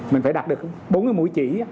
mình phải đặt được bốn cái mũi chỉ